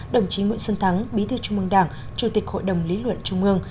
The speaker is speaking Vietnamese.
đồng chí nguyễn xuân thắng bí thư trung mương đảng chủ tịch hội đồng lý luận trung ương